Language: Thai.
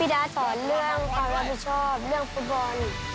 ดาสอนเรื่องความรับผิดชอบเรื่องฟุตบอล